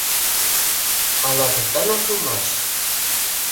Ала тидланак улмаш.